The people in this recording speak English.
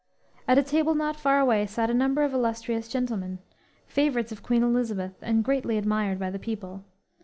At a table not far away sat a number of illustrious gentlemen, favorites of Queen Elizabeth and greatly admired by the people.